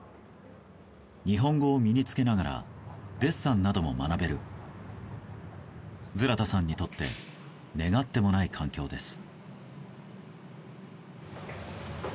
日本語を身に着けながらデッサンなども学べるズラタさんにとって願ってもない環境です。